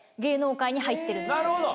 なるほど。